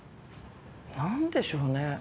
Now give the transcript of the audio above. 「何でしょうね？」